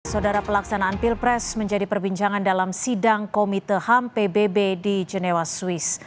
saudara pelaksanaan pilpres menjadi perbincangan dalam sidang komite ham pbb di genewa swiss